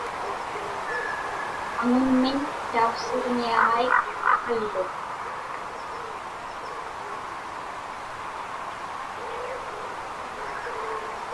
Aŋunmiñ tauqsiġñiaġaik iqalluk.